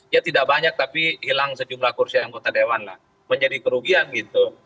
ya tidak banyak tapi hilang sejumlah kursi anggota dewan lah menjadi kerugian gitu